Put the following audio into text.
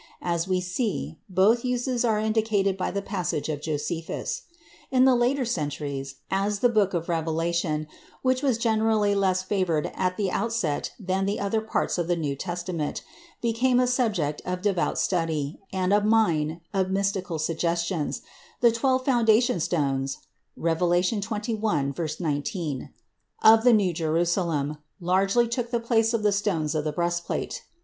As we see, both uses are indicated by the passage of Josephus. In the later centuries, as the book of Revelation, which was generally less favored at the outset than the other parts of the New Testament, became a subject of devout study, and a mine of mystical suggestions, the twelve foundation stones (Rev. xxi, 19) of the New Jerusalem largely took the place of the stones of the breastplate.